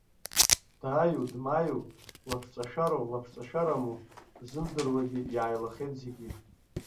Дааиу-дмааиу, лаԥшҵашәароу лаԥшҵашәараму рзымдыруагьы иааилахеит зегьы.